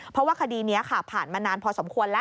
เพราะว่าคดีนี้ค่ะผ่านมานานพอสมควรแล้ว